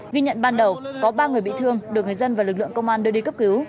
ghi nhận ban đầu có ba người bị thương được người dân và lực lượng công an đưa đi cấp cứu